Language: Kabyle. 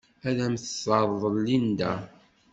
Ad am-t-terḍel Linda.